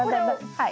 はい。